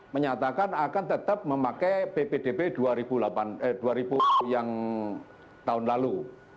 menyatakan akan tetap memakai ppdb tahun lalu